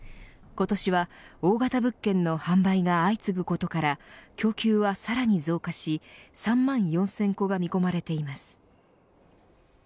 今年は大型物件の販売が相次ぐことから供給はさらに増加し３万４０００戸が見込まれています。